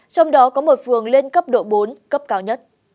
trong đó có một phường lên cấp độ bốn cấp cao nhất